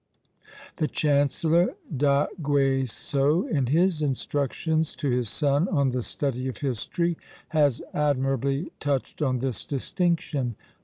The chancellor D'Aguesseau, in his instructions to his son on the study of history, has admirably touched on this distinction.